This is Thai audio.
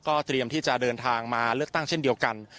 เตรียมที่จะเดินทางมาเลือกตั้งเช่นเดียวกัน